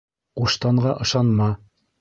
Ҡуштанға ышанма: